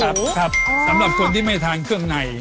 ครับครับสำหรับคนที่ไม่ทานเครื่องใน